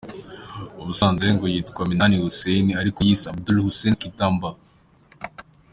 Ubusanzwe ngo yitwa Minani Hussein, ariko yiyise Abdul Hussein Kitamba.